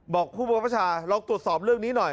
บอกผู้ประประชาลองตรวจสอบเรื่องนี้หน่อย